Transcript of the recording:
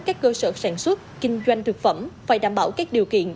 các cơ sở sản xuất kinh doanh thực phẩm phải đảm bảo các điều kiện